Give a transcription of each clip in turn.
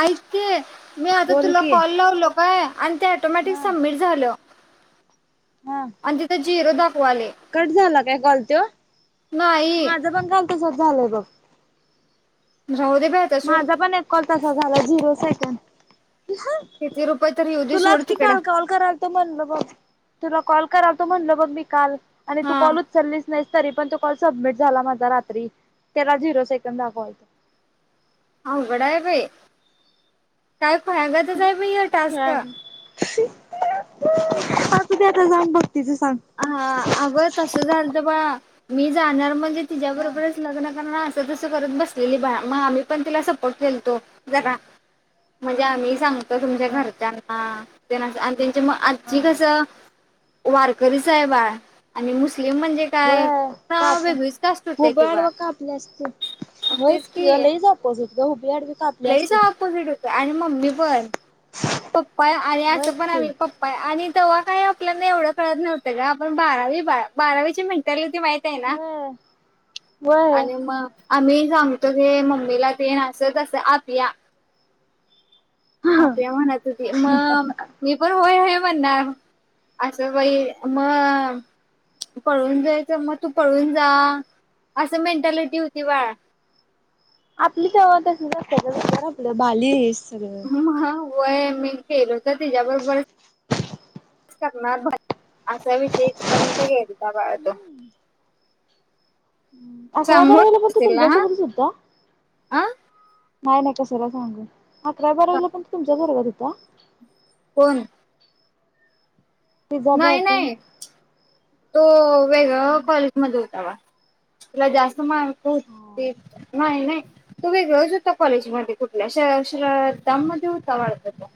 ऐक की मी आता बोल तुला की कॉल लावलो काय आणि ते ॲटोमॅटिक हा सबमिट झाल. हा आणि तिथ झिरो दाखवायले कट झाला काय कॉल नाही. तसच झालय बघ. राहू दे बाई. आता सोड माझा पण एक कॉल तसा झालाय झिरो सेकंद. किती रुपये तर येऊ दे सोड तुलाच कि तिकडं काल कॉल क म्हणल बघ तुला कॉल करायचा म्हणल मी काल आणि तू हा कॉल उचलीस नाही तरी पण तो कॉल सबमिट झाला माझा रात्री त्याला झिरो सेकंद दाखवायला. अवघड आहे बाई काय फायदा [unintelligible] टास्क. आताच्या आता सांग भक्तीच सांग. हा अग तस झाल तर बा मी जाणार म्हणजे तिच्या हा बरोबरच लग्न करणार. तस करत बसलेली बा मग आम्ही पण तिला सपोर्ट केलतो जरा. म्हणजे आम्ही सांगतो तुमच्या हा घरच्यांना मग हा आजची कस वारकरी साहेबा आणि मुस्लिम म्हणजे काय व्हय ना कापू वेगळीच कास्ट होत्या खूप की वेड बाळ व कापली असते मग व्हय तेच की ग लई जा [unintelligible] हुबीड लईच ऑपोजिट होत आणि मम्मी पण पप्पा आणि अस व्हयच पण की आम्ही प् आणि तेव्हा काही आपल्याना एवढ कळत नव्हत ग आपण बारावी बारावीच्या मेंटॅलिटी माहित तयना व्हय व्हय आणि मग. आम्ही सांगतो हे मम्मीला ते न अस तस आभीया आभ्या म्हणायच ते मग मी पण होय म्हणणार. असं बा ई म पळून जायच मग तू पळून जा, असं मेंटालिटी होती बाळ आपली चवत अस त्याच्यानंतर आपलं बालीस हम हा वय मी केलो तर तिच्याबरोबरच करणार असा विषयपर्यंत गेलात बाळ तो अकरावी चांगल बारावी ला पण तिला तुमच्यासोबतच हुता हा नाही नाही कशाला सांगू अकरावी अ बारवी ला पण तुमच्याच वर्गात होता? कोण? तिचा नाही बॉयफ्रेंड नाही तो वेगळ कॉलेज मध्ये होता बाळ तुला जास्त मा हू हा ते नाही नाही. तो वेगळच होता कॉलेजमध्ये कुठल्या श्र श्रद्धामध्ये होता वाढत त्यो.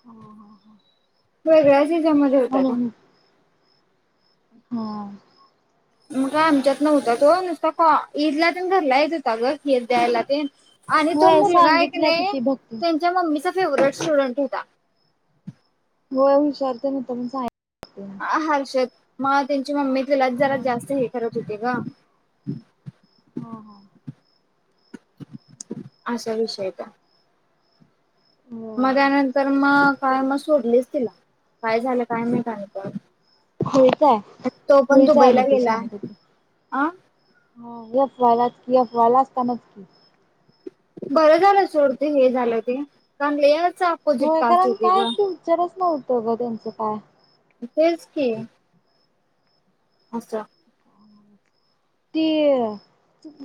ह हा हा. वेगळ्या हेच्यामध्ये होत त्यो. म्हणून हा. मग का आमच्यात नव्हता तो नुसता ईदला ते घरला येत होता ग खीर द्यायला तेन. आणि तो होय मुलगा एक सांगितल्या कि नाही ती भक्ती त्यांच्या मम्मीचा फेवरेट स्टुडंट होता. होय हुशार तेन हुत म्हणून [unintelligible] सांगितलं कि हर्षद मग त्यांची मम्मी तिलाच जरा हा जास्त हे करत होते ग, हम हम. असा विषय का मग होय त्यानंतर मग काय मग सोडलीच, तिला काय झालं काय माहित आणि परत खुळीच हाय तो पण खुळीच हाय दुबईला निती गेला. अ ह अफ. वाय. लाच की अफ. वाय. ला असतानाच कि. बरं झालं सोड ते हे झालं ते कारण लयच अपोजिट होय कास्ट कारण होती काय ग कीमचरण नव्हतं ग तेनचं काय तेच की. अस ती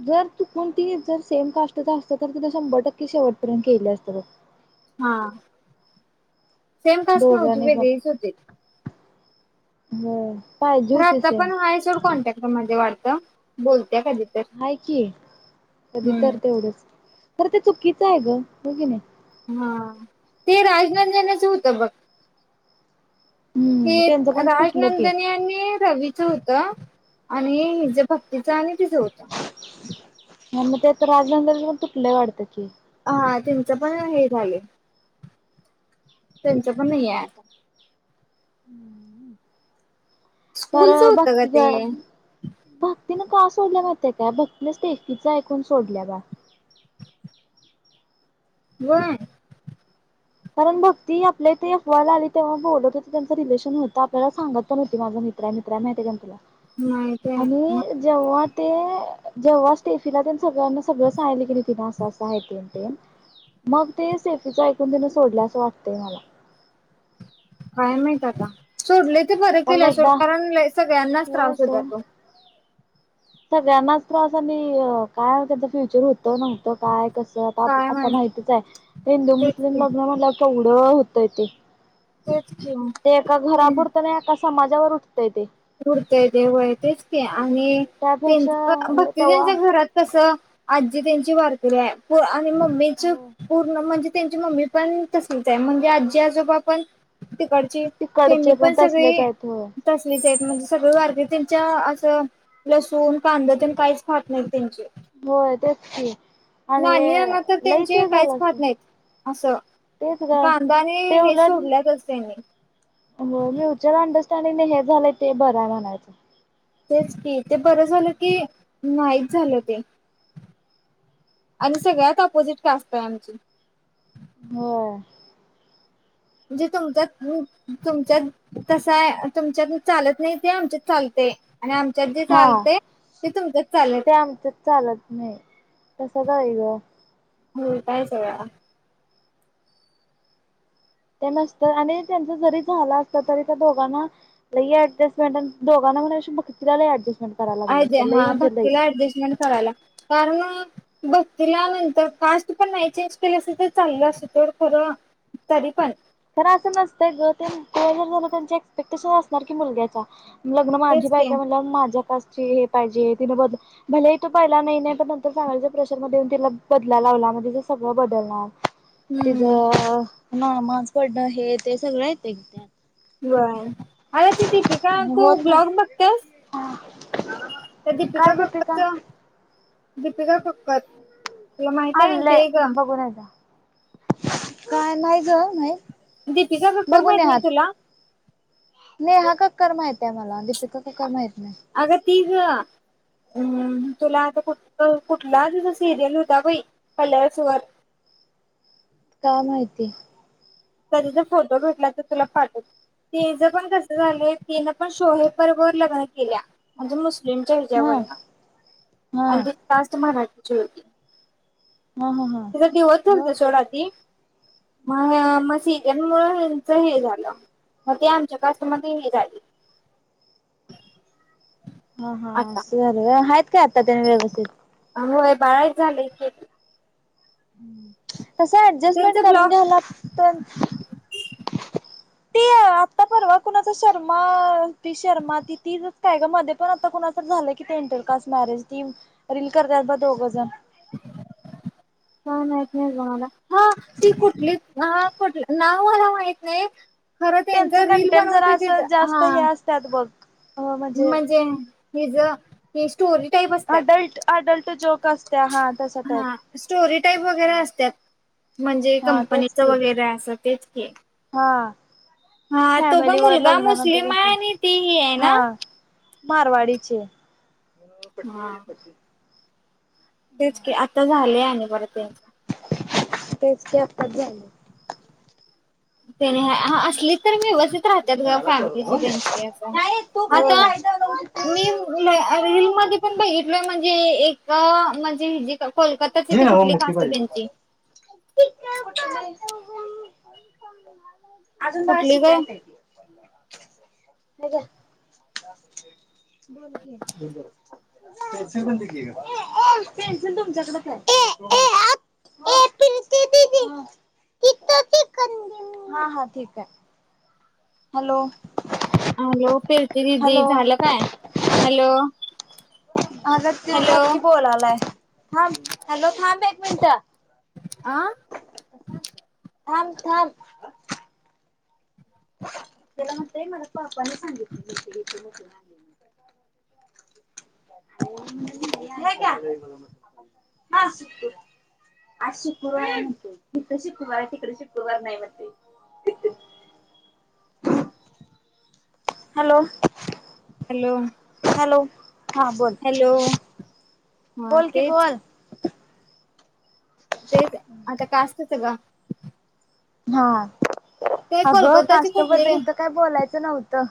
जर चुकून ती जर सेम कास्टच असत तर तिला शंभर टक्के शेवटपर्यंत केली असती बघ. हा- सेम कास्ट नव्हती दोघांनी पण, वेगळीच होती. होय पाहिजे खरं होती आता सेम पण हाय सोड कॉन्टॅक्ट मध्ये वाढतं बोलत्या कधी तर. आहे की, कधी हम्म. तर तेवढंच तर ते चुकीचं आहे ग होय की नाही हा ते राजनंदनेच होतं बघ हम्म हे त्यांचं पण तुटलं की राजनंदनी आणि रवी होत आणि हिच्या भक्तीच आणि तिचं होत आणि मग ते राजनंदनी टिकल्या वाढत की हा त्यांच पण हे झालंय, त्यांच पण नाही आहे आता बर स्कूलच होतं का भक्ती ते काय भक्तीने का सोडल्या माहित्या काय भक्तीनेच टेफकीच ऐकून सोडल्या बा व्हय. कारण भक्ती आपल्या इथे यफ. वाय. ला आली तेव्हा बोलत हो त्यांचं रिलेशन होतं आपल्याला सांगत पण होती माझं मित्रा मित्रा माहिती का तुला, माहिती आहे मग आणि जेव्हा ते जेव्हा स्टेफीला सगळ्यांना सगळ सांगितली कणी तिन असं असं आहे ते मग ते शेतीच ऐकून तीन सोडलं असं वाटतंय मला. काय माहित आता सोडले ते बर कारण केले एकदा कारण सगळ्यांनाच त्रास होय होता सोड तो. सगळ्यांनाच त्रास आ आणि काय त्यांच फ्युचर होतं ना काय कस आता काय आता माहित. माहितीच आहे हिंदू तेच मुस्लिम की लग्न म्हणलं तेवढं होतय ते तेच ते एका की. घरापुरतं नाही. समाजावर उठतय ते उडतय देव आहे तेच ते आणि त्यापेक्षा त्यां भक्ती तेव्हा त्यांच्या घरात कस आजी त्यांची वारकरी आहे आणि मम्मीच हो पूर्ण म्हणजे त्यांची मम्मी पण तसलीच आहे म्हणजे आजी आजोबा पण तिकडची त्यांनी तिकडचे पण तसलेच सगळे आहेत होय तसलेच आहेत. म्हणजे सगळ आरती त्यांच्या असं लसूण कांदा ते काहीच खात नाहीत त्यांचे होय तेच की आणि नाना तर लईच त्यांचे हे काहीच झालं असत खात नाहीत. असं तेच ग कांदा आणि हे सोडल्याच त्यांनी फ्युचर अंडरस्टँडिंग हे झालंय ते बरं आहे म्हणायचं. तेच की ते बरं झालं की नाहीच झालं ते आणि सगळ्यात ऑपोजिट जास्त आहेआमची. हो म्हणजे तुमच्या तुमच्यात तस आहे तुमच्यात चालत नाही ते आमच्यात चालते आणि आमच्यात जे हा चालते ते तुमच्याच चालत ते नाही. आमच्यात चालत नाही तस तर आहे ग उलटा आहे सगळा ते नसत आणि त्यांच जरी झालं असत तरी त्या दोघांना लई अडजस्टमंट दोघांना मग असे लय अजेस्टमेंट आहे ते भक्तीला ऍडजस्टमेंट कराय लागते कारण भक्तीला नंतर कास्ट पण नाही चेंज केलं असत तर चाललं अस तो खरं तरी पण तर असं नसतं ग जर झालं त्यांचे एक्सपेक्टेशन असणार की मुलग्याचा लग्न माझी तेच की बायको म्हणल्यावर माझ्या कास्टचे हे पाहिजे की बाबा भला हे तो पहिला नाही पण नंतर सांगायच प्रेशरमध्येध येऊन तिला बदलायला लावणार मग तिचं सगळं बदलणार हम्म तिचं माांस पडणं हे ते सगळं येतं त्यांच्यात बर अरे ती दीपिका आणि तू होत नाही. ब्लॉग बघतेस. हा तर दीपिका कक्कड दीपिका कक्कड. तुला माहिती आहे ते का? कोणाला? काय नाही ग नाही दीपिका कक्कर बघून माहित ये नाही आत. तुला नेहा काक्कर माहित आहे मला दीपिका कक्कर माहित नाही. अग ती ग. हम्म तुला आता कुठ कुठला तुझ सिरियल होता बाई कलर्स वर काय माहिती. कधी तर फोटो भेटला तर तुला पाठवते. तेच पण कस झालंय तिनं पण शोहे पररोबर लग्न केल्या म्हणजे. हा [unintelligible] आणि हा ती कास्ट मराठीची होती. ह ह ह. तीले दिवस दिलते सोडा ती. म म हीचास मुळेच हे झालं. म ती आमच्या कास्ट मध्ये हे झाली. हा हा आता अस झालं होय. हायेत काय आता त्याने व्यवस्थित. अ होय बाळायक झालंय की ती. तस ऍडजस्टमेंट त्यांचं करून ब्लॉग घ्यावा लागतण. [inaudible] आता परवा कुणाचा शर्मा ती शर्मा त तीच काय ग? मध्ये पण आता कुणा झालं की ते इंटरकास्ट मॅरेज. ती रील करतात बा दोघं जण. काय माहीत नाही ग मला. हा ती कुठली, कुठल नाव मला माहित नाही. खरं त्यांच रील बनवतेत. हा. त्यात बघ. म्हणजे हीज स्टोरी टाईप असत्यात. अडल्ट अडल्ट जोक असत्या हा तशा टाईप हा. स्टोरी टाईप वगैरे अस त्यात. म्हणजे हा तेच कंपनीचं की वगैरे असं तेच की. हा, हा तो फॅमिली पण वर मुलगा लग्नानंतर मुस्लिम तस. आहे आणि ती ही आहे ना हा. मारवाडीचे. हां. तेच की, आता झालेय आणि बरं ते. तेच की, ते आताच झालय. तेनी हा असली तर मीळव [unintelligible] राहत्यात ग फॅमिलीची त्यांची आता. नाही तू कधी आता जायचं नव्हतं. मी रीलील मध्ये पण बघितलंय. म्हणजे एक म्हणजे जीथ कोलकाताची हे का नव्ह कुठली मोठी खासे पाहिजे मला. त्यांची. [inaudible] अजून दाळ कुठली ग शीजायचय. काय ग? पेन्सिल पण दे की ग. पेन्सिल तुमच्याकडच आहे. [inaudible] हा हा ठीकय. हॅलो. हॅलो प्रीती दिदी हॅलो झालं काय? हॅलो. अग त्यो हॅलो बग की बोलालाय. थांब हॅलो थांब एक मिनट. आ. थांब थांब. त्याला म्हणतेय मला पापाने सांगितलं [unintelligible] [inaudible] हे घ्या. [inaudible] हा. [inaudible] आज शिक्ररवारय म्हणतय. इथ शिक्रुवारे, तिकड शिक्ररवार नाही म्हणतय. हॅलो. हॅलो. हॅलो, हा बोल. हॅलो हा बोल कि तेच बोल. तेच. आता कास्टच गं. हा ते अगं कोलकाताची कुठली कास्टबद्दल इथं काय बोलायचं नव्हतं.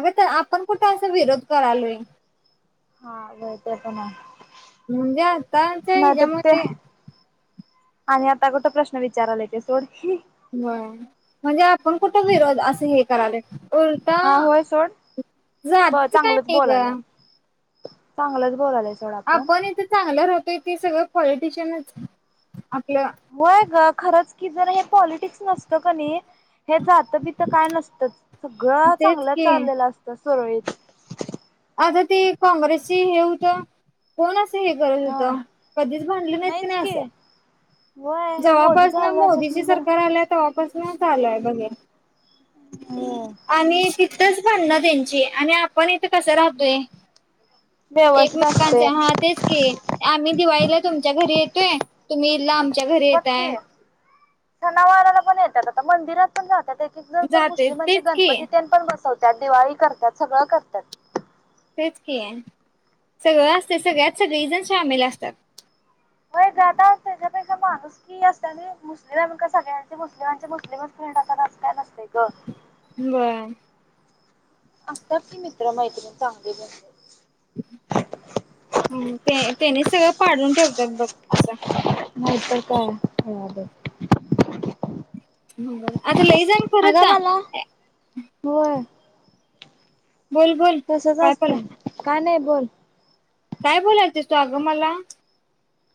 अगं तर आपण कुठे असा विरोध करालोय. हा होय ते पण आहे. म्हणजे आताच नाही तर ते हेच्यामध्ये आणि आता कुठं प्रश्न विचारायलोय ते सोड. होय. म्हणजे आपण कुठं विरोध असं हे करालोय उलट हा होय सोड ब जातीच काय चांगलंच नाही ग. बोलाल्यात चांगलंच बोलालाय आपण इथे चांगलं राहतोय ती सगळं पॉलिटिशियनच आपलं. होय ग खरंच की जर हे पॉलिटिक्स नसतं कणी हे जातं बितं काय नसतं सगळं तेच चांगलं की चाललेलं असतं सुरळीत. आता ते काँग्रेसची हे होतं कोण असं हे करत हा होतं कधीच भांडले नाहीत कणी नाहीच की असं. होय हे मोदी जेव्हापसन मोदीची झाल्यापासून जरा सरकार आल्या तेव्हा पसन चालू आहे बघ हे होय आणि च भाडंन त्यांची आणि आपण इथं कसं राहतोय. व्यवस्थित एकमेकांचे असते हा तेच की आम्ही दिवाळीला तुमच्या घरी येतोय तुम्ही घरी बग येताय की सनावाराला पण येतात आता मंदिरात पण जात्यात एक एक जर तर जातोय मुस्लिमांचे तेच की गणपती तेन पण बसवतात दिवाळी करतात सगळं करतात. तेच की सगळं असतय सगळ्यात सगळीजण शामील असतात. [inaudible] माणूसकी असत्यानी. मुस्लिम आहेम का सगळ्यांचे मुस्लिमांचे मुस्लिमस फ्रेंड असतात असं काय नसतय ग. होय. असतात की मित्र मैत्रिणी चांगले [unintelligible] ह ते तेनेच सगळं पाडून ठेवतात बघ असं. नाहीतर काय खुळ्यागत. हो बरं आता लई जन अगं मला होय. बोल बोल. तसच काय बोला असतंय काय नाही बोल. काय बोलालतीस तू आगं मला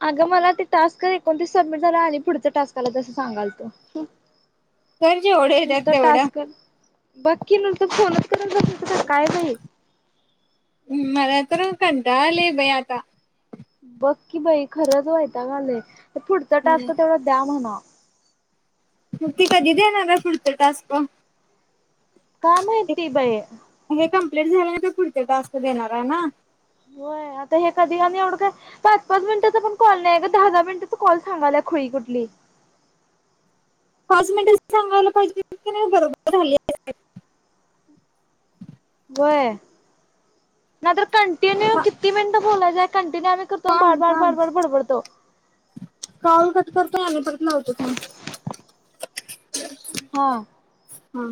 अग मला ते टास्क एकोणतीस सबमिट झाल्यात आणि पुढचा टास्क आल्यात असं सांगालतो. कर जेवढे नुसत येतात तेवढं टास्क बकी नुसत फोनच करत बसायचं का काय ग हे. मला तर कंटाळा आलंय बाई आता. बघ की बाई खरंच वैताग आलय पुढचा टास्क तेवढा द्या म्हणा. बग की कधी देणार हाय पुढच टास्क? काय माहिती बाई. हे कम्प्लीट झाल्यानंतर पुढचे टास्क देणार आहे ना? होय, आता हे कधी आणि एवढं काय पाच पाच मिनटाचा पण कॉल नाही गं, दहा दहा मिनिटाचा कॉल सांगाल्या खुळी कुठली. पाच मानिटं सांगायला पाहिजे की नाही बरोबर झाली आसतीत. होय, नाही तर कंटिन्यू किती मिनिटं बोलायचंय, कंटिन्यू आम्ही करतो आणि थांब बाडबाडबाड थांब बाड बडबडतो. कॉल कट करतो आणि परत लावतो थांब. हा हा